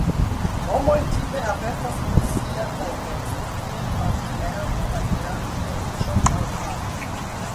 Homoj tipe avertas pri sia taŭgeco kiel partnero akirante riĉon aŭ famon.